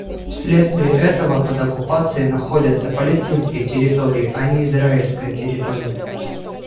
Вследствие этого под оккупацией находятся палестинские территории, а не израильская территория.